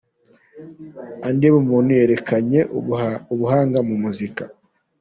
Andy Bumuntu yerekanye ubuhanga mu muziki.